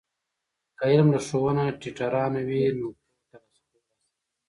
که علم له ښوونه ټیټرانو وي، نو پوهه ترلاسه کول آسانه دی.